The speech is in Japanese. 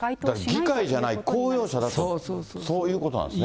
だから議会じゃない、公用車だと、そういうことなんですね。